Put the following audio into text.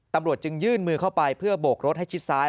ตำรวจจึงยื่นมือเข้าไปเพื่อโบกรถให้ชิดซ้าย